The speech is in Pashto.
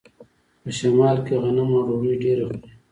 په شمال کې غنم او ډوډۍ ډیره خوري.